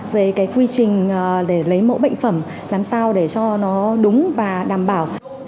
về cái quy trình để lấy mẫu bệnh phẩm làm sao để cho nó đúng và đảm bảo